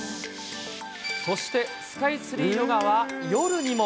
そしてスカイツリーヨガは、夜にも。